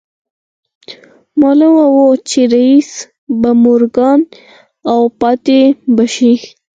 معلومه وه چې رييس به مورګان و او پاتې به شي